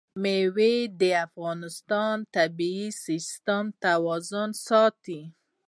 مېوې د افغانستان د طبعي سیسټم توازن ساتي.